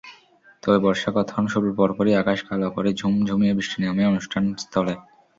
তবে বর্ষাকথন শুরুর পরপরই আকাশ কালো করে ঝুম-ঝুমিয়ে বৃষ্টি নামে অনুষ্ঠানস্থলে।